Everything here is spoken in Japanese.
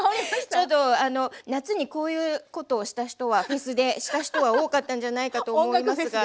ちょっと夏にこういうことをした人はフェスでした人は多かったんじゃないかと思いますが。